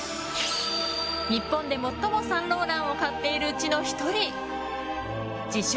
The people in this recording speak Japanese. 日本で最もサンローランを買っているうちの１人自称